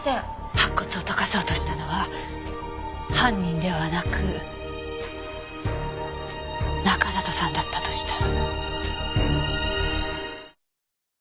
白骨を溶かそうとしたのは犯人ではなく中里さんだったとしたら。